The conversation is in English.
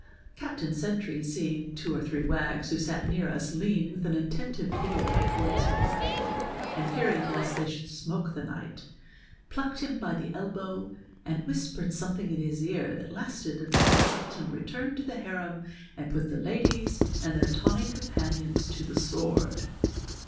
Captain Sentry, seeing two or three wags who sat near us lean with an attentive ear towards Sir Roger, and fearing lest they should snioak the knight, plucked him by the elbow, and whispered something in his ear that lasted until the Sultan returned to the harem and i)ut the ladies and their tawny companions to the sword.